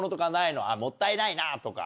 もったいないなとか。